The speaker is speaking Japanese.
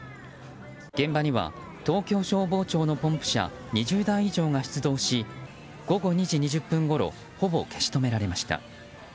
現場には、東京消防庁のポンプ車２０台以上が出動し午後２時２０分ごろほぼ消し止められました。